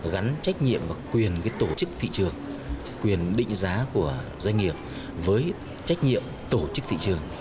gắn trách nhiệm và quyền tổ chức thị trường quyền định giá của doanh nghiệp với trách nhiệm tổ chức thị trường